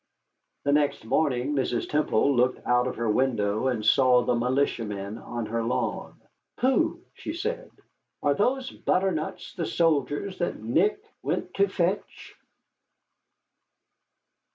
The next morning Mrs. Temple looked out of her window and saw the militiamen on the lawn. "Pooh!" she said, "are those butternuts the soldiers that Nick went to fetch?"